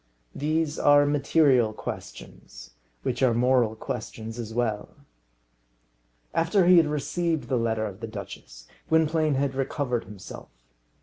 These are material questions, which are moral questions as well. After he had received the letter of the duchess, Gwynplaine had recovered himself.